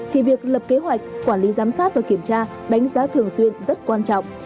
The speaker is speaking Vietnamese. thì việc lập kế hoạch quản lý giám sát và kiểm tra đánh giá thường xuyên rất quan trọng